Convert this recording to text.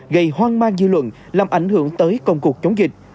gây hoang mang dư luận làm ảnh hưởng tới công cuộc chống dịch